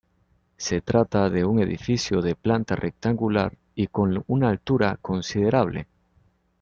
Se trata de un edificio de planta rectangular y con una altura considerable.